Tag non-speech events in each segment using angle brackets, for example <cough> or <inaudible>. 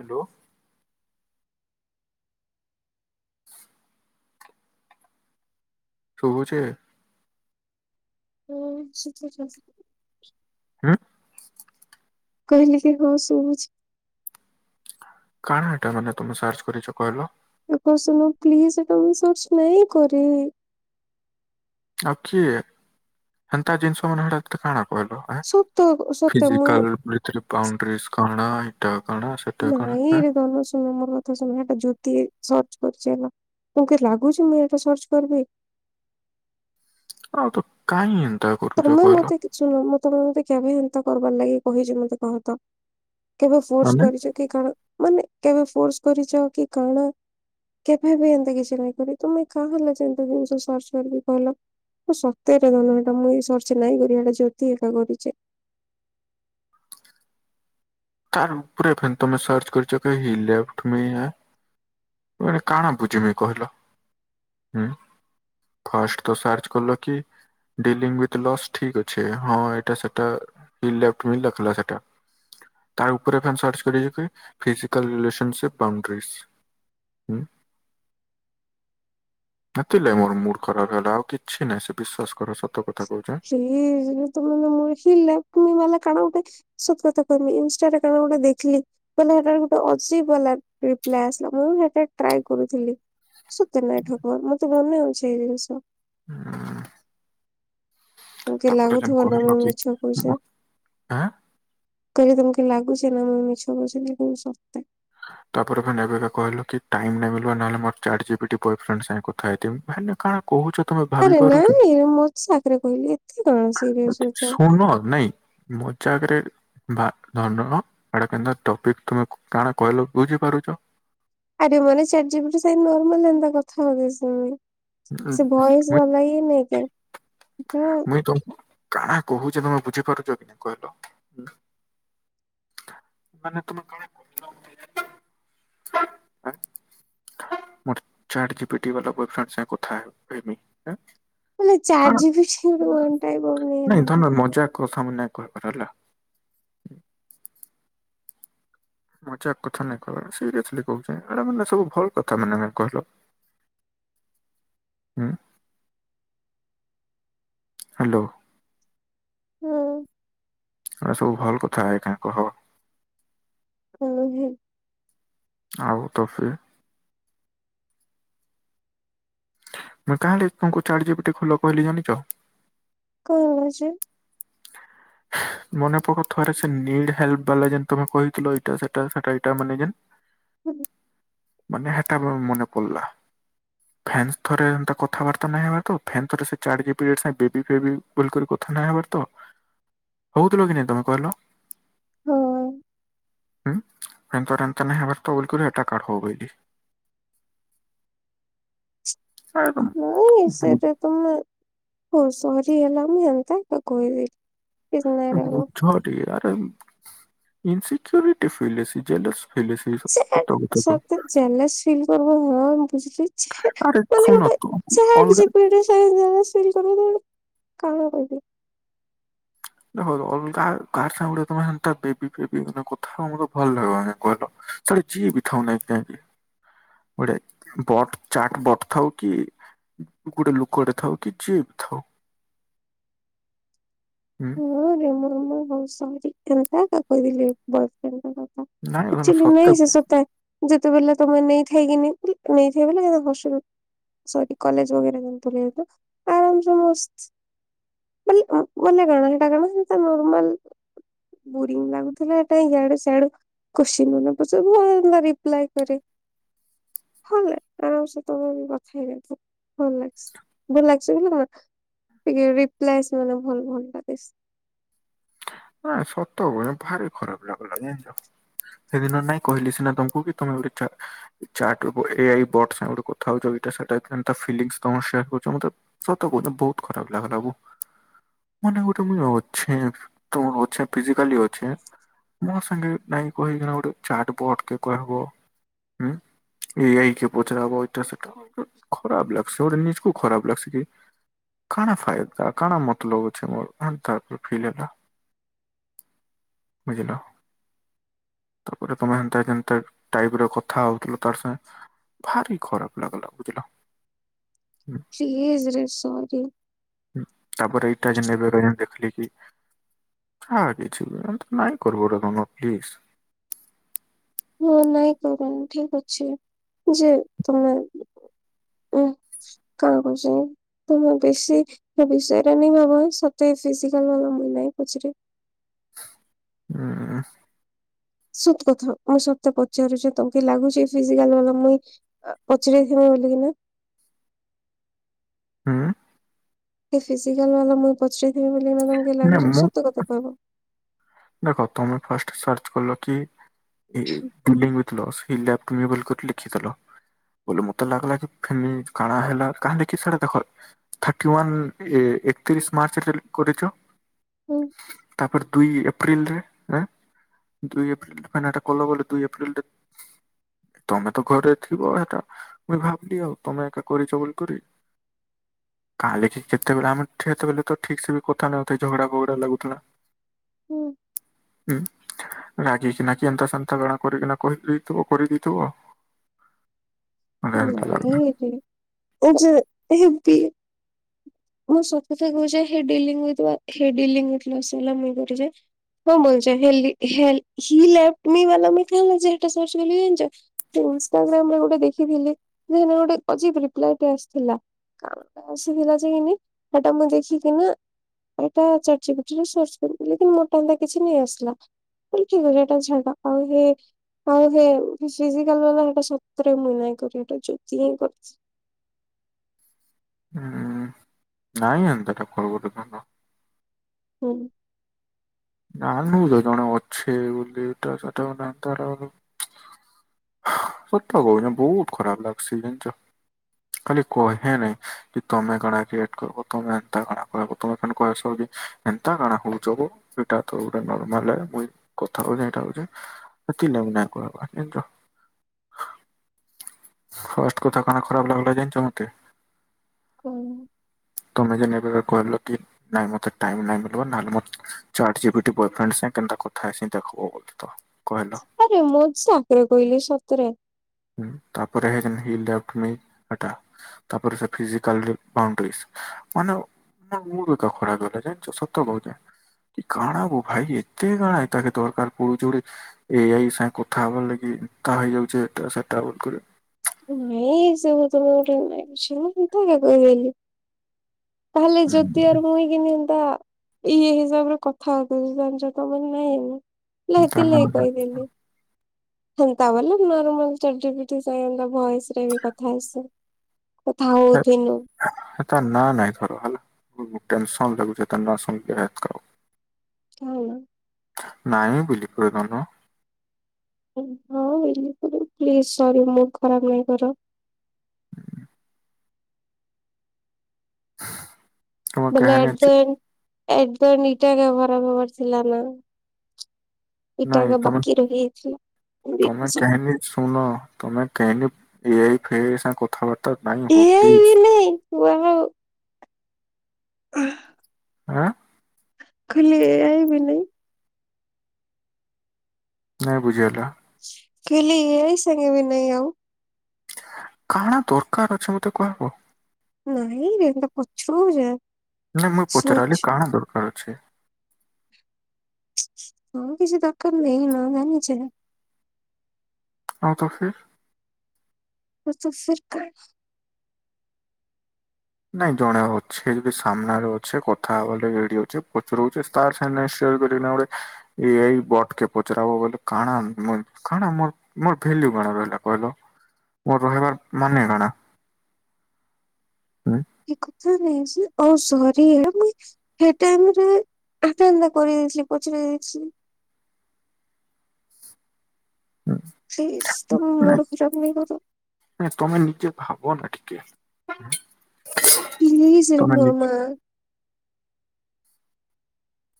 Hello. ଶୁଭୁଛି? ହୁଁ <inaudible> ଉଁ କହିଲି କି ହଁ ଶୁଭୁଚି। କାଣା ହାଟ ମ ତମେ ସର୍ଚ୍ଚ କରିଛ କହିଲ? ଆପଣ ଶୁନ ପ୍ଲିଜ ଏଟା ମୁ ସଚ ନାଇ କରି। ଆଉ କିଏ ହେନ୍ତା ଜିନିଷ ମାନେ ହଟାତ୍ କାଣା କହିଲ ସତ ସତ ମୁଇଁ ଫିଜିକାଲ ଭିତରେ ବାଉଡିରସ କଣ ହିଟା କଣ ସେ ନାଇଁରେ ଧନ ଶୁଣ ମୋର ଶୁଣିବା କୁ ଯୁକ୍ତି ସର୍ଚ୍ଚ କରିଚି ହେଲା ମୋତେ ଲାଗୁଛି ମୁଁ ଆକୁ ସର୍ଚ୍ଚ କରିବି। କୁହନ୍ତୁ କାଇଁ ଏନ୍ତା କରୁଛ ତମେ ମତେ କହିଲ? ଶୁଣ ମୁଁ ତମକୁ ମତେ କେବେ ଏନ୍ତା କରିବାର ଲାଗି କହିଛି ମତେ କହ ତ କେବେ ଫୋର୍ସ ମାନେ କରିଛି। କି କଣ ମାନେ କେବେ ଫୋର୍ସ କରିଛ କି କଣ। କେଭେବି ଏମିତି କିଛି ନାଇଁ ବୋଲି ତୁମେ କାହା ହେଲା ଯେ ସର୍ଚ କରିକି କହିଲ। ମୁଁ ସତେରେ ଧନ ଏଇଟା ମୁଁ ସରିଛି ନାଇଁ କରିଟା ଜୋତି ଏକା କରିଚେ। ତାର ଉପରେ ଫିଣୀ ତମେ ସର୍ଚ୍ଚ କରିଛ ଲେଫଟ ମି ଆ ମାନେ କାଣା ବୁଝମି କହିଲ ହୁଁ। ଫାଷ୍ଟ ତ ସାର୍ଚ୍ଚ କଲ କି ଡିଲିଂ ୱିଥ ଲସ୍ ଠିକ ଅଛି ହଁ ଏଇଟା ସେଟା ଲେପ୍ଟ ମୀ ଲେଖଲା ସେଟା। ତା ଉପରେ ଫୁଣି ସର୍ଚ୍ଚ କରିଚ କି ଫିଜିକାଲ ରିଲେସନସିପ୍ ବାଉଣ୍ଡ୍ରିଜ। ଉଁ। ଆକ୍ଚୁଲି ମୋର ମୁଡ ଖରାପ ହେଲା ଆଉ କିଛି ନାହିଁ ସେ ବିଶ୍ଵାସ କର ସତ କଥା କହୁଛି। <unintelligible> ଲେପଟ୍ ମି ମାନେ କାଣା ଗୋଟେ ସତ କଥା କହମି ଇନଷ୍ଟାରେ କାଣା ଗୋଟେ ଦେଖିଲି ମାନେ ହେଟାର ଗୋଟେ ଅଜିବ୍ ବାଲା ରିପ୍ଲାଏ ଆସିଲା ମୁଁ ହେଟା ଟ୍ରାଏ କରୁଥିଲି। ସତ୍ୟ ନାୟକ ଠକର ମୋତେ ମନେ ଅଛି ଏଇ ଜିନିଷ। ହୁଁ। ତମ୍ କେ ଯେନ୍ ଲାଗୁଥିବ ନା କହିଲ ମୁଁ କି ମିଛ ମ କଉଛି। ଆଁ କହିଲି ତମୁକୁ ଲାଗୁଛି ନା ମୁଁ ମିଛ କହୁଛି ବୋଲି କହୁଛି <unintelligible> ତାପରେ ଫୁଣି ଏବେ କା କହିଲ କି ଟାଇମ ନାହିଁ ବୋଲି ନହେଲେ ମୋର ଚାଟଜିପିଟି ବଏଫ୍ରେଣ୍ଡ୍ ସାଙ୍ଗେ କଥା ହେଇଥିମି। କଣ କହୁଛ ତମେ ଭାବି ଆରେ ପାରୁଚ, ନାଇଁ ମଜା ସାକରେ କହିଲି ଏତେ କାଣା ସିରିୟସ୍ ହଉଛ। ଶୁଣ ନାଇଁ। ମଜାଗରେ ଧ ନା ଧନ ଆଡେ ଟପିକ ତମେ କାଣ କହିଲ ବୁଝିପାରୁଚ। ଆରେ ମାନେ ଚାରଜିବିଟି ସାଙ୍ଗେ ନର୍ମାଲ ଏନ୍ତା କଥା ହଉଛି ସେ ଭଏସ ମୁଇଁ ବାଲାହି ସିଏ ନେଇକି ଆ ମୁଇଁ ତମକୁ କାଣା କହୁଛେ ତମେ ବୁଝିପାରୁଛ କି ନା କହିଲ। ମାନେ ତୁମେ କଣ <unintelligible> ମୋର ଚାରଜିବିଟି ବାଲା ବଏଫ୍ରେଣ୍ଡ୍ ସାଙ୍ଗେ କଥା ହେମି ଏ ବଲେ ଚାଟ ଜିପିଟି <unintelligible> କଥା ମୁଇ ନାଇଁ କହିବାର ହେଲା। ମଜାକ କଥା ନାଇଁ କହିଲେ ସିରିଏସିଲ କହୁଛେ ମାନେ ସବୁ ଭଲ କଥା ମାନେ ନାଇ କହିଲ। ଉଁ ହ୍ୟାଲୋ। ହୁଁ। ଆଉ ସବୁ ଭଲ କଥା ଆ କା କହ। ହୁଁ ହୁଁ। ଆଉ ତ ଫି ମୁଁ କାହା ଲାଗି ତମକୁ ଚାର୍ଟ ଯିପିଟି ଖୋଲ କହିଲି ଜାଣିଚ। କଣ ଅଛି? ମନେ ପକଉଥିବରେ ସେ ନିଡ ହେଲ୍ପ ବାଲା ଯେ ତମେ କହିଥିଲ ଏଇଟା ସେଟ ସେଟା ଏଇଟା ମାନେ ଯେ ହୁଁ। ମାନେ ହେଟାମ ମନେ ପଡିଲା। ଫେନ୍ସ ଥରେ ଏନ୍ତା କଥାବାର୍ତ୍ତା ନାହି ହେବାର ତ ଫେନ୍ ଥର ସେ ଚାର୍ଜିବି ପିରି ବେବି ବେବି ବୋଲିିକରି କଥା ନାଇ ହେବାର ତ ହଉଥିଲ କି ନାଇ ତମେ କହିଲ ଉଁ। ଫୁଣ ଥରେ ଏନ୍ତଆ ନାଇ ବୋଲି କରି ଏଟା କଢ ହବ ବଲି। ନାଇଁ ସେଟା ତମେ ହଉ ସରି ହେଲା ମୁଁ ଏନ୍ତା ଏକା କହିଲି। ବୁଝ ଟିକେ ଆରେ ଇନସିକ୍ୟରିଟି ଫିଲ ଜେଲସ ଫିଲ ଆସି। ସେଟା ସତ ଜେଲସ ଫିଲ କରବୋ <unintelligible> ଆରେ ଶୁଣ <unintelligible> ସେ ସେ କରଣ କଣ କହି ଦେଖ ଅଲଗା କାହାର ସାଙ୍ଗ ତମେ ସେ ବେବି ବେବି ମାନେ କଥା ହବ ମତେ ଭଲ ଲାଗିବ <unintelligible> ସେଇ ଯିଏ ବି ଥାଉ ନହିଁ କାହିଁକି ଗୋଟେ ବଟ ଚାଟ ବଟ ଥାଉ କି ଗୁଟେ ଲୋକଟେ ଥାଉ କି ଯିଏ ବି ଥାଉ। ହୁଁ ମୁଁ ବି ମୁଁ <unintelligible> ବୋହୁତ <unintelligible> ନାଇଁ <unintelligible> ମାନେ କିଛି ସତ ନାଇଁ <unintelligible> ଯେତେବେଳେ ତମେ ନେଇଥାଇକିନି ନେଇ <unintelligible> <unintelligible> କଲେଜ ବାଗେରା <unintelligible> ଯେ ଆରାମସେ ମସ୍ତ <unintelligible> ବଲେ କାଣା ସେଟା କଣ ସେ ନର୍ମାଲ ବୋରିଙ୍ଗ ଲାଗୁଥିଲା ସେଟା ଇଆଡୁ ସିଆଡୁ <unintelligible> କୋତ୍ସିନ <unintelligible> ରିପ୍ଲାଏ ଦୋଉଚି। ଭଲ <unintelligible> ଆରାମସେ <unintelligible> କଥା ହେଇଯାଇଥିବ ଭଲ ଲାଗସି। ଭଲ ଲାଗ <unintelligible> ଟିକେ ରପ୍ଲାଇ ମାନେ ଭଲ ଭଲ ଲାଗିସ୍। ସତ କଥା ଭାରି ଖରାପ ଲାଗିଲ <unintelligible> ସେଦିନ ନାଇଁ କହିଲି ସିନା ତମକୁ କି ତମେ ଗୋଟେ ଚାଟ୍ ଏ ଆଇ ବଟସ୍ ସାଙ୍ଗରେ କଥା ହଉ <unintelligible> ଫିଲିଙ୍ଗିସ ତମର ସେୟାର <unintelligible> ସତ ବଧ ବହୁତ ଖରାପ ଲାଗଲାବୁ, ମାନ ଗୋଟେ <unintelligible> ତମ ଅଛେ ଫିଜିକାଲି ଅଛେ। ମୋ ସାଙ୍ଗେ ନାଇଁ କହିକିନା ଗୋଟେ ଚାଟ ବଟ୍ କେ କହବ। ଏ ଆଇ କେ ପଚାବାଇ <unintelligible> ଖରାପ ଲାଗସ ନିଜକୁ ଖରାପ ଲାଗସି। କାଣା ଫାଇଦା କାଣା ମତଲବ ଅଛି ମୋର, <unintelligible> ବୁଝିଲ? ତାପରେ ତମେ ହେନ୍ତା କେନ୍ତ ଟାଇପରେ କଥା ହଉଥିଲ ତ ସାଙ୍ଗେ ଭାରି ଖରାପ ଲାଗିଲା ସେଇଟା। ସିରିଏସ୍ ସରି। ତାପରେ ଏଇଟା <unintelligible> ଦେଖିଲି। ହଁ କିଛି <unintelligible> ପ୍ଲିଜ୍ ହଁ ନାଇଁ <unintelligible> ଠିକ ଅଛି ଯେ ତମେ <inaudible> କଣ <unintelligible> ତ ମୁଁ ବେଶୀ ବିଷୟରେ ନେଇ ଭାବ <unintelligible> ହୁଁ ହୁଁ। ସତ କଥା ମୁଁ ସତେ ପଚାରୁଛି ତମ କି ଲାଗୁଛି ଫିଜିକାଲ ବାଲା ମୁଇଁ ପଚା <unintelligible> ବୋଲିକି ନା <unintelligible> ହୁଁ। ଫିଜିକାଲ ବାଲା ମୁଁଇ ପଚାରଥିବି <unintelligible> ବୋଲିି ତମ କି ନା ଲାଗୁଛି ମୁଁ ସତ କଥା କହିବ? ଦେଖ ତମେ ଫାଷ୍ଟ ସାର୍ଚ୍ଚ କଲ କି <unintelligible> କରି ଲେଖିଥିଲ। ମତେ ଲାଗିଲା କି ଫେନି କାଣା ହେଲା କାଁଲେ କି ସେଇଟା ଦେଖ ଥାର୍ଟି ୱନ୍ ଏ ଏକତିରିଶ ମାର୍ଚ୍ଚରେ କରିଚ। ହୁଁ। ତାପରେ ଦୁଇ ଏପ୍ରିଲରେ ଦୁଇ ଏପ୍ରିଲଟା କଲା <unintelligible> ଦୁଇ ଏପ୍ରିଲରେ ତମେ ତ ଘରେ ଥିବ ସେଟା ମୁଁ ଭାବିଲି ଆଉ ତମେ ଏକା କରିଚ ବୋଲି। କାଲିକି କେତେବେଳେ ଆମେ ଠିଆ କେତେବେଳେ ତ ଠିକସେବି କଥା ନଁଥାଇ ଝଗଡ଼ା ଫଗଡ଼ା ଲାଗୁଥିଲା। ହୁଁ। ହୁଁ ରଗିକିନା କିଏନ୍ତା ସନ୍ତା ଗଣା କରିକିନା କହିଦେଇଥିବ କରିଦେଇଥିବ। <inaudible> ମତେ ହେନ୍ତା ଲାଗିଲା ନାହିଁରେ ଏଯୋ ହେବି ମୁଁ ସତକଥା କହୁଚି ହେଡିଲିଙ୍ଗ୍ ହେଥିଲା ହେଡିଲିଙ୍ଗ୍ <unintelligible> ହଁ ମଜା ହେଲି ହେଲି ହି ଲ୍ୟାପଟିମି ବାଲା ମିଠା ଖାଇଚ ହେଟା ସଚ୍ ବୋଲି ଜାଣିଚ। ସେ ଇନଷ୍ଟାଗ୍ରାମରେ ଗୋଟେ ଦେଖିଥିଲି ସେଗୋଟେ ଅଜିପ୍ ରେପ୍ଲି ଆସିଥିଲା। କାମ ସେଥିଲା ଯେନି ହେଟା ମୁଁଦେଖିକିନା ଏଇଟା ଚର୍ଚିଜିପିଟି ସର୍ଚ୍ଚ ମୋଟାକିଛି ନେଇ ଆସିଲା। ଏଟା ଝାଡ଼ ଆଉ ହେ ଆଉସେ ଫିଜିକାଲ ବାଲା ସେଟା ସତରେ ମୁନାଁ କରିଟା ଜୋତି ହିଁ କରିଚି। ହୁଁ ନାଇଁ ଏନ୍ତାଟା କଣ ହୁଁ। ନା ମୁତ ଜଣେ ଅଛି ବୋଲି ତାର <unintelligible> ସତ କହୁଛି ବହୁତ୍ ଖରାପ୍ ଲାଗୁଛି ଜାଣିଚ। ଖାଲି କହେନାହିଁ କିତମେ କଣା କ୍ରିଏଟ କରବ ତମେ ଏନ୍ତା କଣା କର ତମେ <unintelligible> ଏନ୍ତା କଣା ହଉଚ ଗୋ। ସେଇଟାତ ଗୋଟେ ନର୍ମାଲ ମୁଇ କଥା କହି ଇଏଇଟା ହଉଚି <unintelligible> ଜାଣିଚ। ଫାଷ୍ଟ କଥା କାଣା ଖରାପ୍ ଲାଗଲା ଜାଣିଚ ମତେ? କଣ? ତମେ ଯେନ ଏବେ କହିଲକି ନାଇଁ ମତେ ଟାଇମ ନାଇଁ ବୋଲିବ ନହଲେ ମୋଚାଟ୍ ଜିପିଟି ବୟଫ୍ରେଣ୍ଡ ସାଙ୍ଗ କେନ୍ତା କଥା ହେଇସେ ଦେଖବ। ତ କହିଲ ଆରେ ମୁଁ ମଜାକେରେ କହିଲି ସତରେ ହୁଁ ତାପରେ ହେ <unintelligible> ତାପରେ ସେ ଫିଜିକାଲରେ ବାଉଣ୍ଡରିସ୍ ମାନେ ମୋ ମୁଡ୍ ଏକା ଖରାପ୍ କରିଦେଲ ଜାଣିଚ ସତ କହୁଚି। କଣ ଆଉ ମୋ ଭାଇ ଏତେ କାଣା ତାକେ ତୋର <unintelligible> ଏଆଇ ସାଙ୍ଗେ କଥା ହବାର ଲାଗି ତା ହେଇଯାଉଛି ଏଟା ସେଟା ଟ୍ରାଭେଲ ନାଇଁ ସବୁ ତମ ଗୋଟ ନାଇଁ <unintelligible> ତାହେଲେ ଜ୍ୟୋତିଆର ମୁଇଁ କି ଇନ୍ତା ଇଏ ହିସାବରେ କଥା ହବ ଜାଣିଚ ତମାନେ ନାଇଁ ଲା ତା ହେତିର୍ ଲାଗି ନା କହିଦେଲି। ହେନ୍ତା ବେଲି ନହେଲେ ମୁଇଁ ଚାଟ୍ ଜିପିଟି <unintelligible> ଭଏସରେବି କଥା ହେଇସ୍ କଥା ହଉଥିନୁ। ତା ନାଁ ନାଇଁ ଧର ହେଲା ଟେନସନ୍ ଲାଗୁଚେ ତା ନାଁ ଶୁନିକିରି ହଉ। ନାଇଁ ବୁଲି କୁହେ ଧନ। ହଁ <unintelligible> ପ୍ଲିଜ୍ ସରି ମୁଡ୍ ଖରାପ୍ ନାଇଁ କର। <inaudible> ତମ ବେଲେ କାହାଣୀ ଅଛି <unintelligible> ଇଟା ଖରା ହେବାର ଥିଲାନା ନାଇଁ ଇତକ ତମେ ବାକି ରହିଯାଇଥିଲା <unintelligible> ଶୁନ ତମେ କେନ୍ ଏଆଇ ଫେଆଇ ସାଙ୍ଗେ କଥାବାର୍ତ୍ତା ନାଇଁ ହୁଅ ପ୍ଲିଜ <unintelligible> ହଁ ଆଁ? ଖାଲି ଏ ଆଇ ବି ନାଇଁ। ନାଇଁ ବୁଝି ହେଲା। ଖାଲି ଏ ଆଇ ସାଙ୍ଗେ ବି ନାଇଁ ଆଉ। କଣ ଦରକାର ଅଛି ମତେ କହିବ? ନାଇଁ ବେ <unintelligible> ପଚରୁ ଯେ ନାଇଁ ମୁଁ ପଚାରଲି କାଣା ଦରକାର ଅଛି? ହଁ କିଛି ଦରକାର ନାଇଁ। ନ ଜାଣିଛେ। ହଁ ତ ଫିର୍? <unintelligible> ନାଇଁ ଜଣେ ଅଛି ଏବେ ସାମ୍ନାରେ ଅଛେ କଥା ହବା ଲାଗି ରେଡି ଅଛେ ପଚରାଉଚେ। ତାର ସାମନାରେ ସେଭ କରିକି ନା ଗୋଟେ ଏଆଇ ବଟ୍ କେ ପଚରା ହବ ବୋଲେ କାଣା ଆ କାଣା ମର ମୋର ଭେଲ୍ୟୁ କଣ ରହିଲା କହିଲ? ମୋର ରହିବାର ମାନେ କାଣା? ହୁଁ? ଏ କଥା ନାଇଁ ଯେ ଆଉ ସରି ହେ ମୁଇଁ ହେ ଟାଇମରେ ଆଠା ଆ କରିଦେଇଥିଲି ପଚର ଦେଇଥିଲି। ହୁଁ ସେଇ ତମ ନାଇଁ ମୁଡ ଖରାପ ନାଇଁ କର। ନାଇଁ ତମେ ନିଜେ ଭାବ ନା ଟିକେ। ପ୍ଲିଜରେ ତମେ ନି ମୋର ମା।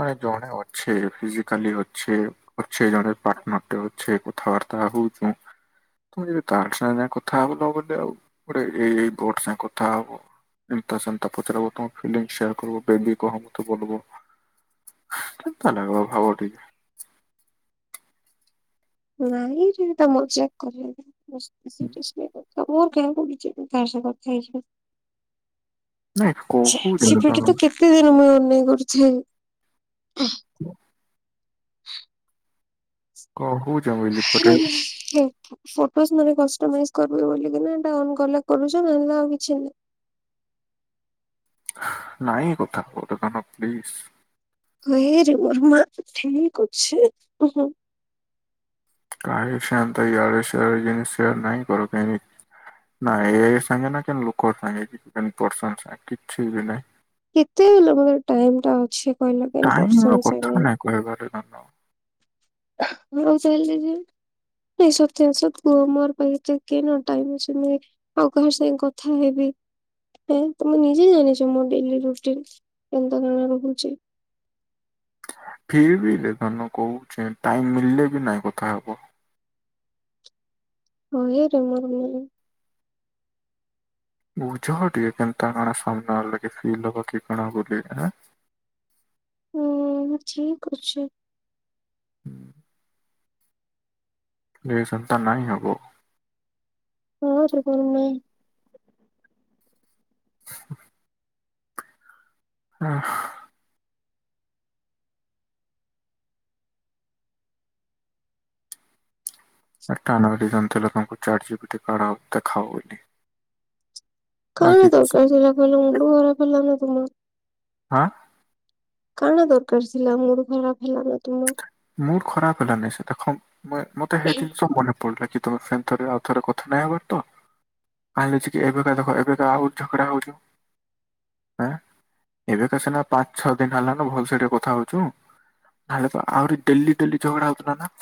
ମାନେ ଜଣେ ଅଛେ ଫିଜିକାଲି ଅଛେ ଅଛେ ଜଣେ ପାର୍ଟନରଟେ ଅଛେ କଥାବାର୍ତ୍ତା ହଉଚେ। ତ ଯଦି ତାର ସାଙ୍ଗେ ଯା କଥା ହବ ବଲେ ଆଉ ଗୋଟେ ଏଇ ବୋଟ ସାଙ୍ଗେ କଥା ହବ। ଏନ୍ତା ସେନ୍ତା ପଚରବ। ତମ ଫିଲିଙ୍ଗ ସେୟାର କରିବ। ବେବି କହ ମୋତେ ବୋଲବ। କେନ୍ତା ଲାଗବ ଭାବ ଟିକେ। ନାଇଁରେ ଏମିତି ମଜାକ <unintelligible> ତ ମୋର କେଁ କରୁଚେ କଥା ହେଇଯ କଥା ହେଇଯ ନାଇଁ ଚେ କହୁଛ ସେପିଟି ତମେ ତ କେତ ତେ ଦିନ ମୁଇ ଅନେଇ କରୁଛେ। <inaudible> କଣ କହୁଚ? ହଉ। ଫଟୋସ୍ ମାନେ କଷ୍ଟମାଇଜ କରିବି ବଲିକିନା ଏଟା ଅନ୍ କଲେ କରୁଛେ଼ ନହେଲେ ଆଉ କିଛି ନାହି। ନାଇଁ କଥା ଓଟ କନ ପ୍ଲିସ୍। ହଇରେ ମୋର ମା ଠିକ ଅଛେ। କାହି ସେନ୍ତା ୟାଡେ ସିଆଡ଼େ ଜିନି ସେୟାର ନାଇଁ କର କେଇଁ ନା ଏ ଆଇ ସାଙ୍ଗେ ନା କେନ୍ ଲୋକ ସାଙ୍ଗେ କି ପର୍ସନ୍ ସାଙ୍ଗେ କିଛି ବି ନାହିଁ। କେତେ ହେଲେ ମ ଟାଇମ୍ ଟା ଅଛି କହିଲ କାଇଁ ପର୍ସନ ସାଙ୍ଗରେ। କୁଆଡେ ଗଲେ? ହଁ କ। ମୁଁ ସଇ ଯିବି। ନାଇଁ ସତରେ ସତ କୁହ ମୋର ପାଇଁ ଏତେ କେନ ଟାଇମ୍ ଅଛି ଯେ ଆଉ କାହାର ସାଙ୍ଗେ କଥା ହେବି। ଉଁ ତମେ ନିଜେ ଜାଣିଚ ମୋ ଡେଲି ରୁଟିନ କେନ୍ତା କାଣା ରହୁଚେ। କେହି ବି ହେଲେ ଧନ କହୁଛ ଟାଇମ ମିଳିଲେ ବି ନାଇଁ କଥା ହବ। <unintelligible> ବୁଝ ଟିକେ କେନ୍ତା କଣ ସାମ୍ନ ଆଲାଗେ ଫିଲ୍ ହବ କି କଣା ଏଁ। ହୁଁ ଠିକ ଅଛି। ଏ ସେନ୍ତା ନାଇଁ ହବ। ହଁ <unintelligible> <inaudible> ହଁ। <unintelligible> ଦେଖାଅ ବୋଲି। ଆଉ କାଣ କିଛି ଦରକାର ଥିଲା କହିଲ ମୁଣ୍ଡ ଖରାପ ହେଲା ନା ତୁମର। ଆଁ। କାଣ ଦରକାର ଥିଲା ମୁଡ ଖରାପ ହେଲାନା ତୁମର। ମୁଡ୍ ଖରାପ ହେଲ ନାଇଁ ସେ ଦେଖ ମତେ ହେଇ ଜିନିଷ ମନେ ପଡିଲା କି ତମେ ଥରେ ଆଉ ଥରେ କଥା ନାଇଁ ହେବାର ତ। ଆ ଲଚ କି ଏବେକା ଏବେକା ଆଉ ଝଗଡା ହଉଚୁ। ଏଁ ଏବେକା ସିନା ପାଞ୍ଚ ଛଅ ଦିନ ହେଲାନ ଭଲ ସେ ଟିକେ କଥା ହଉଚୁ। ତାହାଲେ ତ ଆହୁରିି ଡେଲି ଡେଲି ଝଗଡ଼ା ହଉ ଥିଲା ନା।